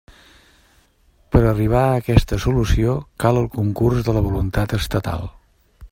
Per a arribar a aquesta solució, cal el concurs de la voluntat estatal.